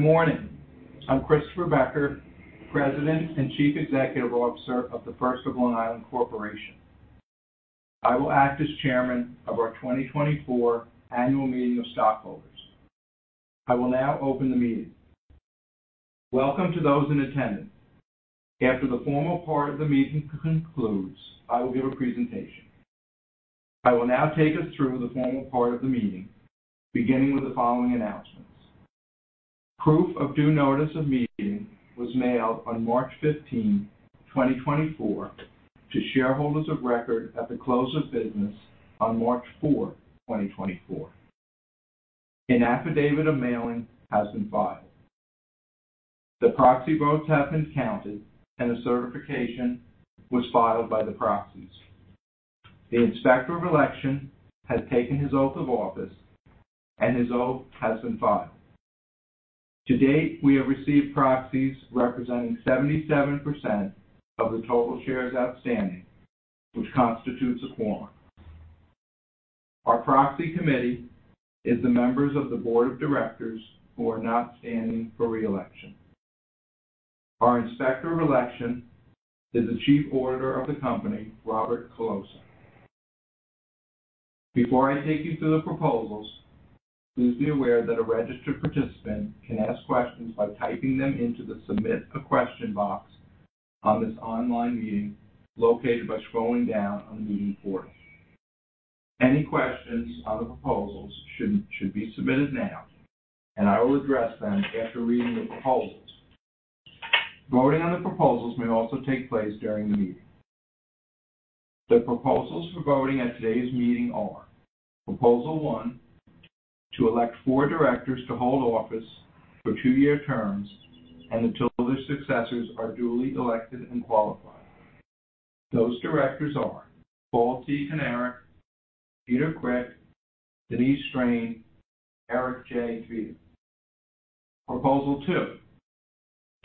Good morning. I'm Christopher Becker, President and Chief Executive Officer of The First of Long Island Corporation. I will act as Chairman of our 2024 Annual Meeting of Stockholders. I will now open the meeting. Welcome to those in attendance. After the formal part of the meeting concludes, I will give a presentation. I will now take us through the formal part of the meeting, beginning with the following announcements. Proof of due notice of meeting was mailed on March 15, 2024, to shareholders of record at the close of business on March 4, 2024. An affidavit of mailing has been filed. The proxy votes have been counted, and a certification was filed by the proxies. The inspector of election has taken his oath of office, and his oath has been filed. To date, we have received proxies representing 77% of the total shares outstanding, which constitutes a quorum. Our proxy committee is the members of the board of directors who are not standing for reelection. Our inspector of election is the Chief Auditor of the company, Robert Colosa. Before I take you through the proposals, please be aware that a registered participant can ask questions by typing them into the Submit a Question box on this online meeting located by scrolling down on the meeting portal. Any questions on the proposals should be submitted now, and I will address them after reading the proposals. Voting on the proposals may also take place during the meeting. The proposals for voting at today's meeting are: Proposal 1, to elect four directors to hold office for two-year terms and until their successors are duly elected and qualified. Those directors are Paul T. Canarick, Peter Quick, Denise Strain, Eric J. Tveter. Proposal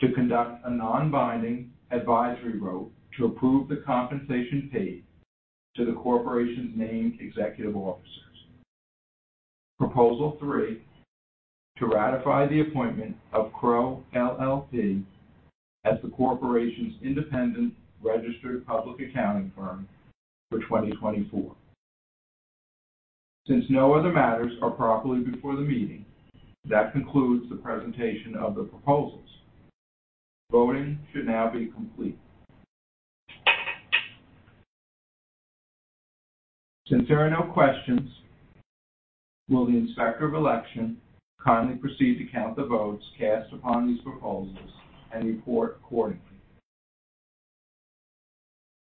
2, to conduct a non-binding advisory vote to approve the compensation paid to the corporation's named executive officers. Proposal 3, to ratify the appointment of Crowe LLP as the corporation's independent registered public accounting firm for 2024. Since no other matters are properly before the meeting, that concludes the presentation of the proposals. Voting should now be complete. Since there are no questions, will the inspector of election kindly proceed to count the votes cast upon these proposals and report accordingly?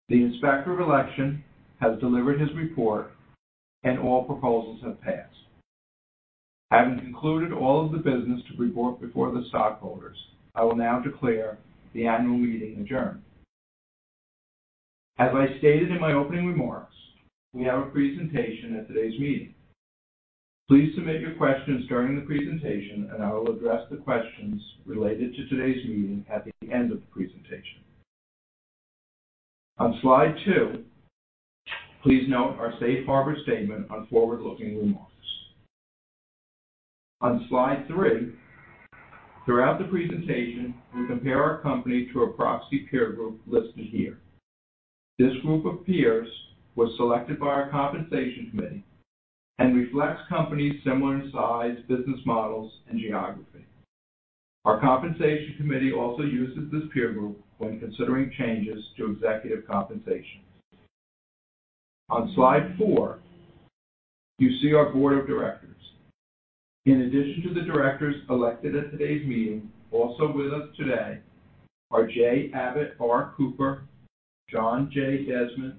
The inspector of election has delivered his report, and all proposals have passed. Having concluded all of the business to report before the stockholders, I will now declare the annual meeting adjourned. As I stated in my opening remarks, we have a presentation at today's meeting. Please submit your questions during the presentation, and I will address the questions related to today's meeting at the end of the presentation. On slide 2, please note our safe harbor statement on forward-looking remarks. On slide 3, throughout the presentation, we compare our company to a proxy peer group listed here. This group of peers was selected by our compensation committee and reflects companies' similar in size, business models, and geography. Our compensation committee also uses this peer group when considering changes to executive compensation. On slide 4, you see our board of directors. In addition to the directors elected at today's meeting, also with us today are J. Abbott R. Cooper, John J. Desmond,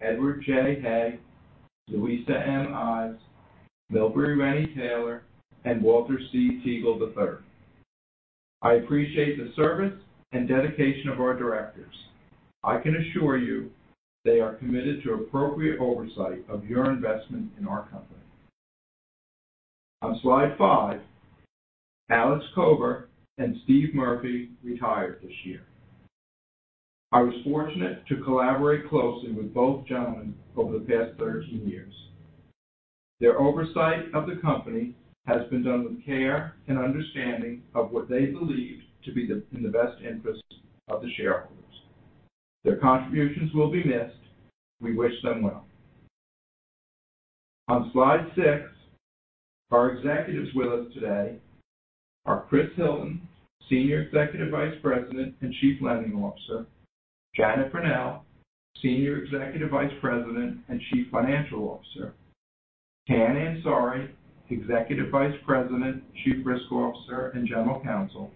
Edward J. Haye, Louisa M. Ives, Milbrey Rennie Taylor, and Walter C. Teagle III. I appreciate the service and dedication of our directors. I can assure you they are committed to appropriate oversight of your investment in our company. On slide 5, Alex Cover and Steve Murphy retired this year. I was fortunate to collaborate closely with both gentlemen over the past 13 years. Their oversight of the company has been done with care and understanding of what they believed to be in the best interests of the shareholders. Their contributions will be missed. We wish them well. On slide 6, our executives with us today are Chris Hilton, Senior Executive Vice President and Chief Lending Officer, Janet Verneuille, Senior Executive Vice President and Chief Financial Officer, Tanweer Ansari, Executive Vice President, Chief Risk Officer, and General Counsel,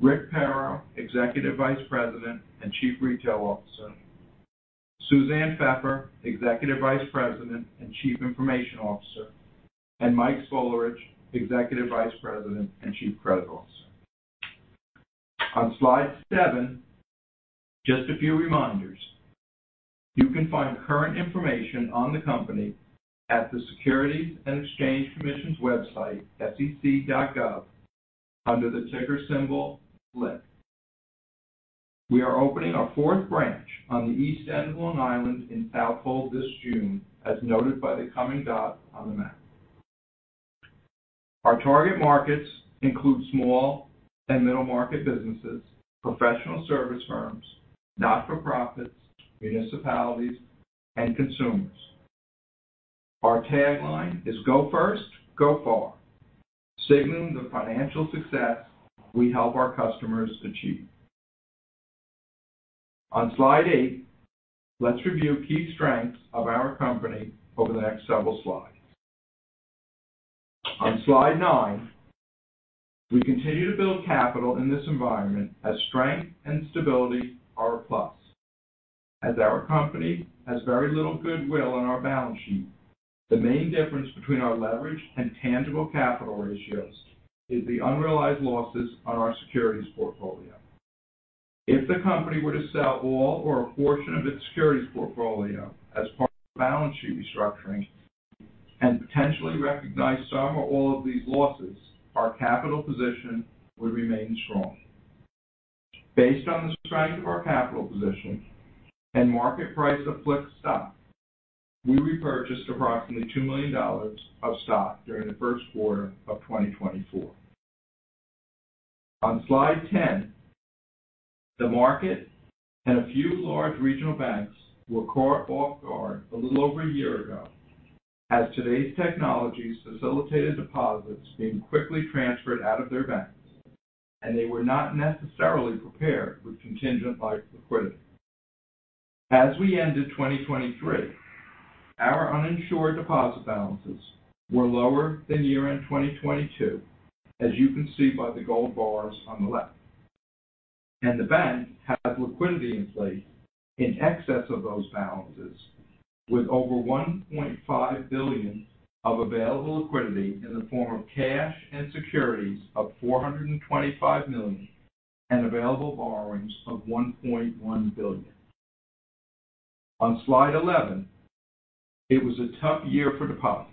Rick Perro, Executive Vice President and Chief Retail Officer, Susanne Pheffer, Executive Vice President and Chief Information Officer, and Mike Spolarich, Executive Vice President and Chief Credit Officer. On slide 7, just a few reminders. You can find current information on the company at the Securities and Exchange Commission's website, sec.gov, under the ticker symbol FLIC. We are opening our fourth branch on the East End of Long Island in Southold this June, as noted by the accompanying doton the map. Our target markets include small and middle-market businesses, professional service firms, not-for-profits, municipalities, and consumers. Our tagline is "Go First, Go Far," signaling the financial success we help our customers achieve. On slide 8, let's review key strengths of our company over the next several slides. On slide 9, we continue to build capital in this environment as strength and stability are a plus. As our company has very little goodwill on our balance sheet, the main difference between our leverage and tangible capital ratios is the unrealized losses on our securities portfolio. If the company were to sell all or a portion of its securities portfolio as part of balance sheet restructuring and potentially recognize some or all of these losses, our capital position would remain strong. Based on the strength of our capital position and market price of FLIC stock, we repurchased approximately $2 million of stock during the first quarter of 2024. On slide 10, the market and a few large regional banks were caught off guard a little over a year ago as today's technology facilitated deposits being quickly transferred out of their banks, and they were not necessarily prepared with contingent lines of liquidity As we ended 2023, our uninsured deposit balances were lower than year-end 2022, as you can see by the gold bars on the left. The bank has liquidity in place in excess of those balances, with over $1.5 billion of available liquidity in the form of cash and securities of $425 million and available borrowings of $1.1 billion. On slide 11, it was a tough year for deposits.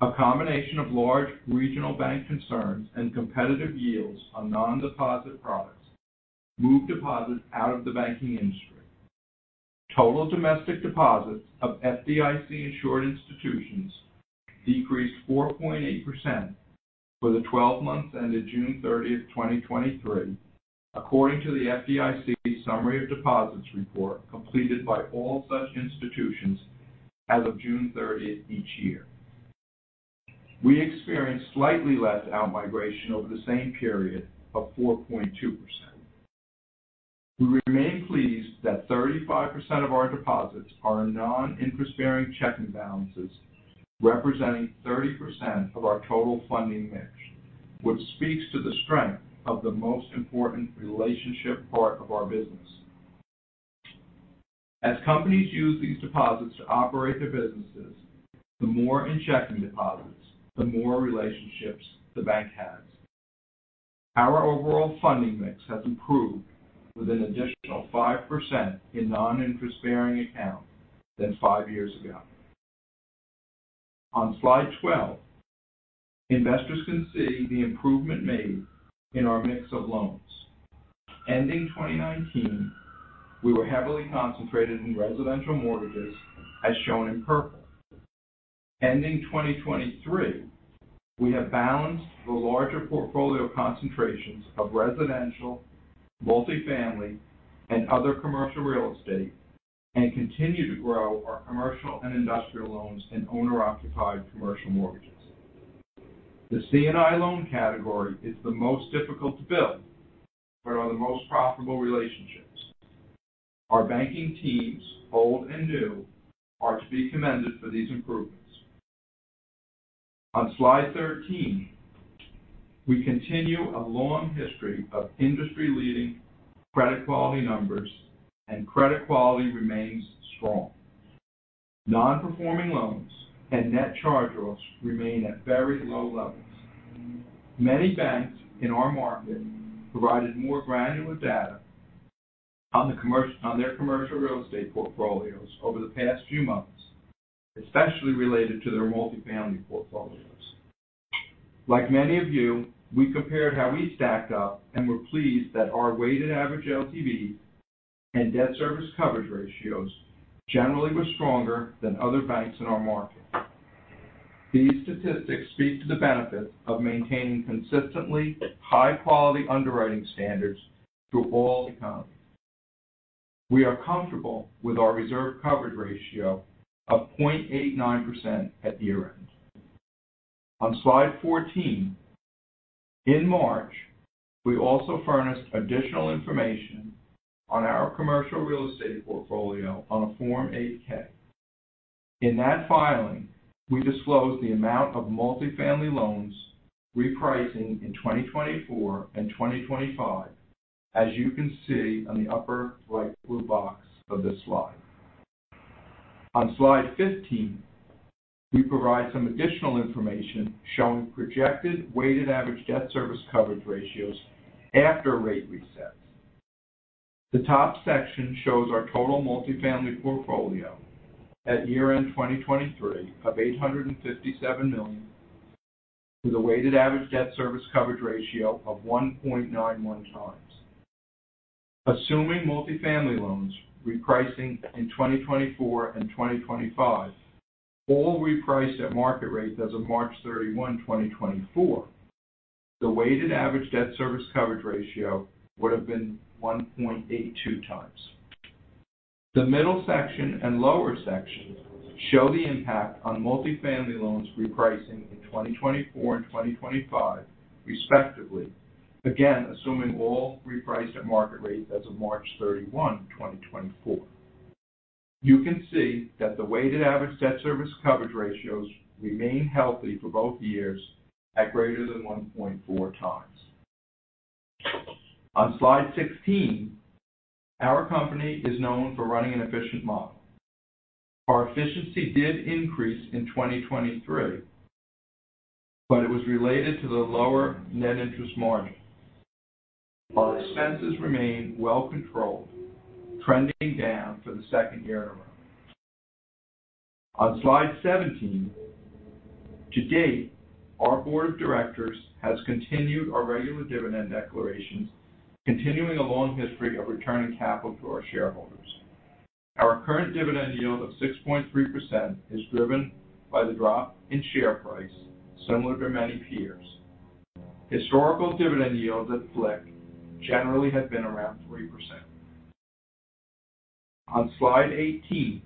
A combination of large regional bank concerns and competitive yields on non-deposit products moved deposits out of the banking industry. Total domestic deposits of FDIC-insured institutions decreased 4.8% for the 12 months ended June 30, 2023, according to the FDIC Summary of Deposits report completed by all such institutions as of June 30 each year. We experienced slightly less outmigration over the same period of 4.2%. We remain pleased that 35% of our deposits are in non-interest-bearing checking balances, representing 30% of our total funding mix, which speaks to the strength of the most important relationship part of our business. As companies use these deposits to operate their businesses, the more in checking deposits, the more relationships the bank has. Our overall funding mix has improved with an additional 5% in non-interest-bearing accounts than five years ago. On slide 12, investors can see the improvement made in our mix of loans. Ending 2019, we were heavily concentrated in residential mortgages, as shown in purple. Ending 2023, we have balanced the larger portfolio concentrations of residential, multifamily, and other commercial real estate and continue to grow our commercial and industrial loans in owner-occupied commercial mortgages. The C&I loan category is the most difficult to build, but are the most profitable relationships. Our banking teams, old and new, are to be commended for these improvements. On slide 13, we continue a long history of industry-leading credit quality numbers, and credit quality remains strong. Non-performing loans and net charge-offs remain at very low levels. Many banks in our market provided more granular data on their commercial real estate portfolios over the past few months, especially related to their multifamily portfolios. Like many of you, we compared how we stacked up and were pleased that our weighted average LTV and debt service coverage ratios generally were stronger than other banks in our market. These statistics speak to the benefits of maintaining consistently high-quality underwriting standards through all economies. We are comfortable with our reserve coverage ratio of 0.89% at year-end. On slide 14, in March, we also furnished additional information on our commercial real estate portfolio on a Form 8-K. In that filing, we disclosed the amount of multifamily loans repricing in 2024 and 2025, as you can see on the upper right blue box of this slide. On slide 15, we provide some additional information showing projected weighted average debt service coverage ratios after rate resets. The top section shows our total multifamily portfolio at year-end 2023 of $857 million, with a weighted average debt service coverage ratio of 1.91 times. Assuming multifamily loans repricing in 2024 and 2025, all repriced at market rates as of March 31, 2024, the weighted average debt service coverage ratio would have been 1.82 times. The middle section and lower section show the impact on multifamily loans repricing in 2024 and 2025, respectively, again assuming all repriced at market rates as of March 31, 2024. You can see that the weighted average debt service coverage ratios remain healthy for both years at greater than 1.4 times. On slide 16, our company is known for running an efficient model. Our efficiency did increase in 2023, but it was related to the lower net interest margin. Our expenses remain well-controlled, trending down for the second year in a row. On slide 17, to date, our board of directors has continued our regular dividend declarations, continuing a long history of returning capital to our shareholders. Our current dividend yield of 6.3% is driven by the drop in share price, similar to many peers. Historical dividend yields at FLIC generally have been around 3%. On slide 18,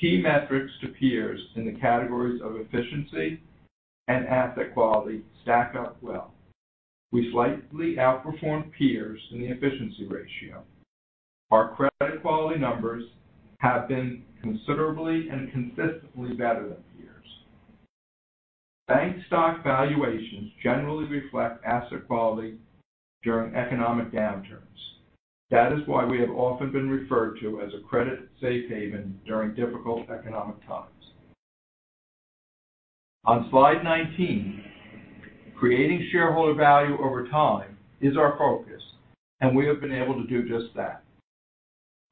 key metrics to peers in the categories of efficiency and asset quality stack up well. We slightly outperformed peers in the efficiency ratio. Our credit quality numbers have been considerably and consistently better than peers. Bank stock valuations generally reflect asset quality during economic downturns. That is why we have often been referred to as a credit safe haven during difficult economic times. On slide 19, creating shareholder value over time is our focus, and we have been able to do just that.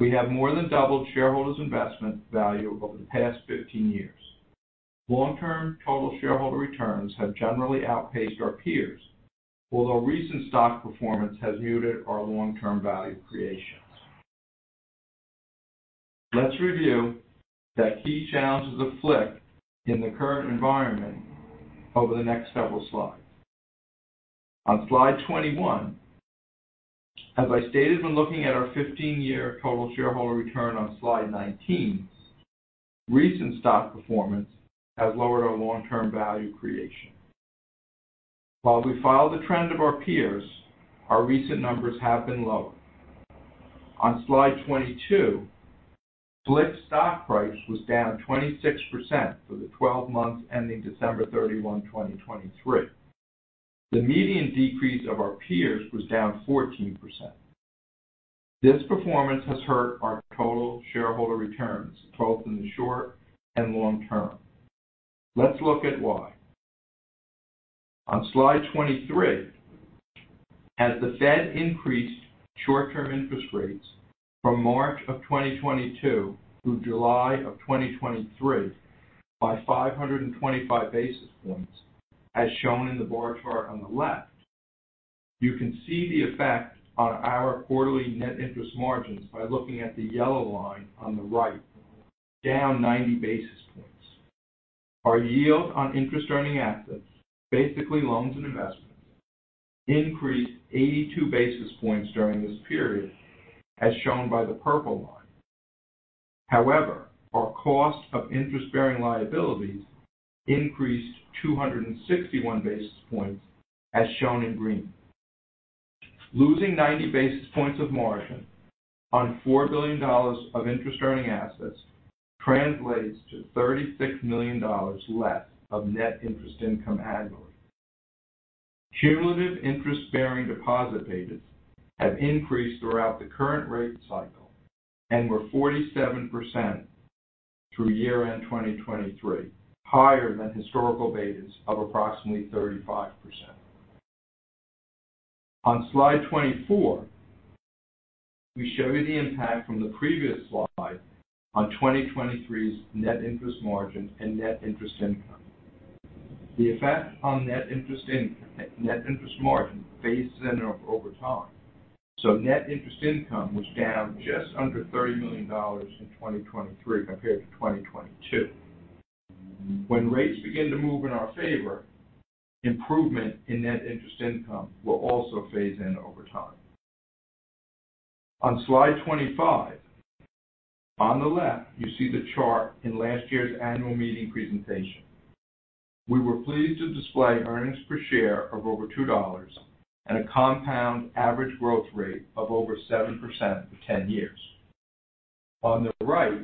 We have more than doubled shareholders' investment value over the past 15 years. Long-term total shareholder returns have generally outpaced our peers, although recent stock performance has muted our long-term value creation. Let's review the key challenges of FLIC in the current environment over the next several slides. On slide 21, as I stated when looking at our 15-year total shareholder return on slide 19, recent stock performance has lowered our long-term value creation. While we followed the trend of our peers, our recent numbers have been lower. On slide 22, FLIC stock price was down 26% for the 12 months ending December 31, 2023. The median decrease of our peers was down 14%. This performance has hurt our total shareholder returns, both in the short and long term. Let's look at why. On slide 23, as the Fed increased short-term interest rates from March of 2022 through July of 2023 by 525 basis points, as shown in the bar chart on the left, you can see the effect on our quarterly net interest margins by looking at the yellow line on the right, down 90 basis points. Our yield on interest-earning assets, basically loans and investments, increased 82 basis points during this period, as shown by the purple line. However, our cost of interest-bearing liabilities increased 261 basis points, as shown in green. Losing 90 basis points of margin on $4 billion of interest-earning assets translates to $36 million less of net interest income annually. Cumulative interest-bearing deposit betas have increased throughout the current rate cycle and were 47% through year-end 2023, higher than historical betas of approximately 35%. On slide 24, we show you the impact from the previous slide on 2023's net interest margin and net interest income. The effect on net interest margin phases in over time, so net interest income was down just under $30 million in 2023 compared to 2022. When rates begin to move in our favor, improvement in net interest income will also phase in over time. On slide 25, on the left, you see the chart in last year's annual meeting presentation. We were pleased to display earnings per share of over $2 and a compound average growth rate of over 7% for 10 years. On the right,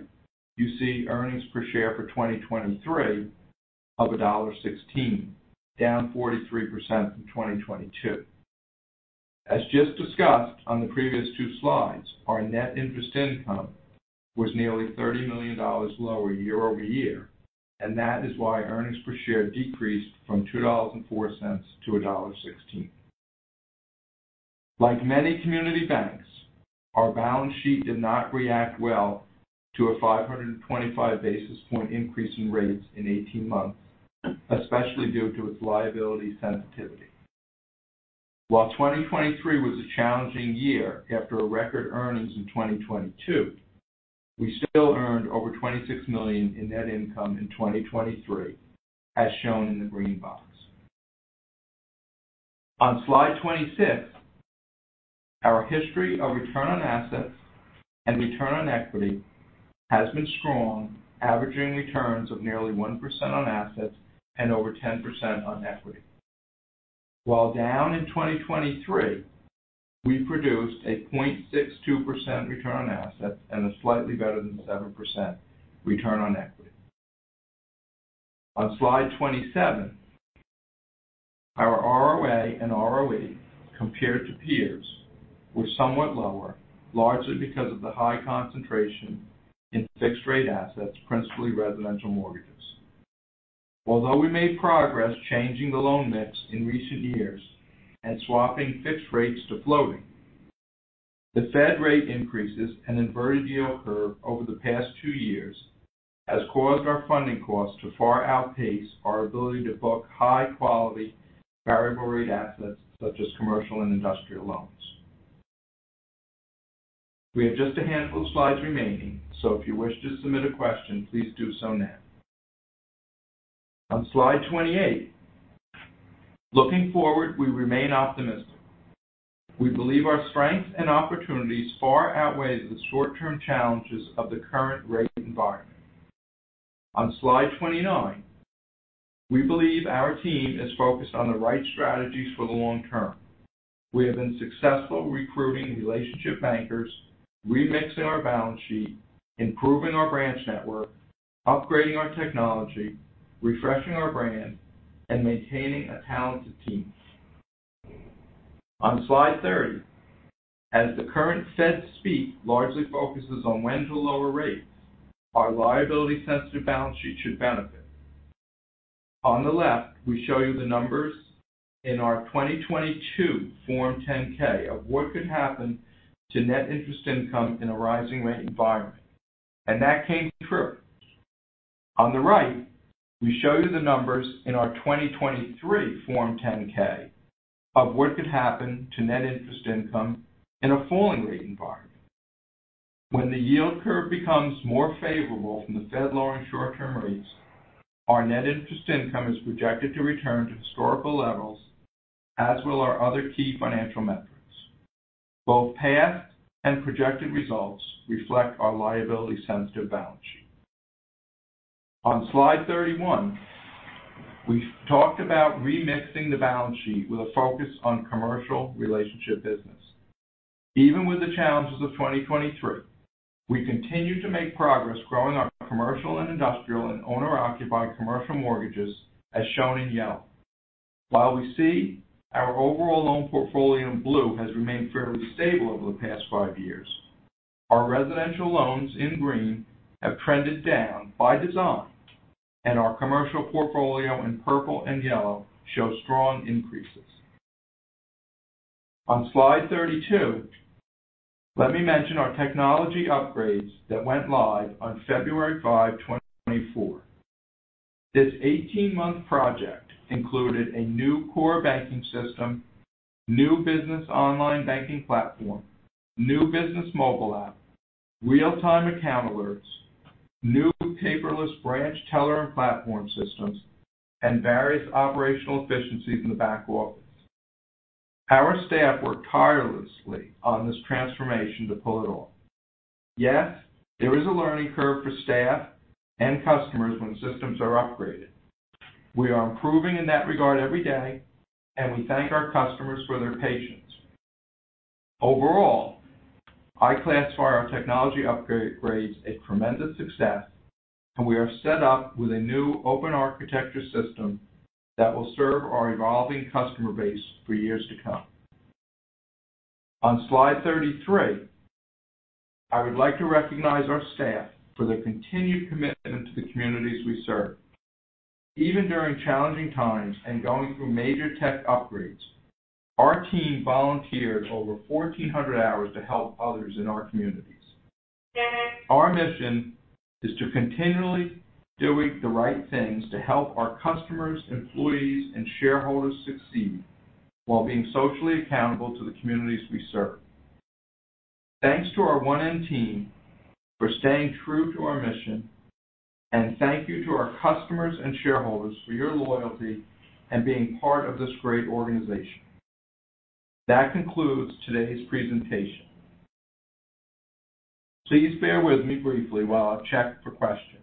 you see earnings per share for 2023 of $1.16, down 43% from 2022. As just discussed on the previous two slides, our net interest income was nearly $30 million lower year-over-year, and that is why earnings per share decreased from $2.04 to $1.16. Like many community banks, our balance sheet did not react well to a 525 basis point increase in rates in 18 months, especially due to its liability sensitivity. While 2023 was a challenging year after record earnings in 2022, we still earned over $26 million in net income in 2023, as shown in the green box. On slide 26, our history of return on assets and return on equity has been strong, averaging returns of nearly 1% on assets and over 10% on equity. While down in 2023, we produced a 0.62% return on assets and a slightly better than 7% return on equity. On slide 27, our ROA and ROE compared to peers were somewhat lower, largely because of the high concentration in fixed-rate assets, principally residential mortgages. Although we made progress changing the loan mix in recent years and swapping fixed rates to floating, the Fed rate increases and inverted yield curve over the past two years has caused our funding costs to far outpace our ability to book high-quality variable-rate assets, such as commercial and industrial loans. We have just a handful of slides remaining, so if you wish to submit a question, please do so now. On slide 28, looking forward, we remain optimistic. We believe our strengths and opportunities far outweigh the short-term challenges of the current rate environment. On slide 29, we believe our team is focused on the right strategies for the long term. We have been successful recruiting relationship bankers, remixing our balance sheet, improving our branch network, upgrading our technology, refreshing our brand, and maintaining a talented team. On slide 30, as the current Fed speak largely focuses on when to lower rates, our liability-sensitive balance sheet should benefit. On the left, we show you the numbers in our 2022 Form 10-K of what could happen to net interest income in a rising rate environment, and that came true. On the right, we show you the numbers in our 2023 Form 10-K of what could happen to net interest income in a falling rate environment. When the yield curve becomes more favorable from the Fed lowering short-term rates, our net interest income is projected to return to historical levels, as will our other key financial metrics. Both past and projected results reflect our liability-sensitive balance sheet. On slide 31, we talked about remixing the balance sheet with a focus on commercial relationship business. Even with the challenges of 2023, we continue to make progress growing our commercial and industrial and owner-occupied commercial mortgages, as shown in yellow. While we see our overall loan portfolio in blue has remained fairly stable over the past five years, our residential loans in green have trended down by design, and our commercial portfolio in purple and yellow shows strong increases. On slide 32, let me mention our technology upgrades that went live on February 5, 2024. This 18-month project included a new core banking system, new business online banking platform, new business mobile app, real-time account alerts, new paperless branch teller and platform systems, and various operational efficiencies in the back office. Our staff worked tirelessly on this transformation to pull it off. Yes, there is a learning curve for staff and customers when systems are upgraded. We are improving in that regard every day, and we thank our customers for their patience. Overall, I classify our technology upgrades as tremendous success, and we are set up with a new open architecture system that will serve our evolving customer base for years to come. On slide 33, I would like to recognize our staff for their continued commitment to the communities we serve. Even during challenging times and going through major tech upgrades, our team volunteered over 1,400 hours to help others in our communities. Our mission is to continually do the right things to help our customers, employees, and shareholders succeed while being socially accountable to the communities we serve. Thanks to our FN team for staying true to our mission, and thank you to our customers and shareholders for your loyalty and being part of this great organization. That concludes today's presentation. Please bear with me briefly while I check for questions.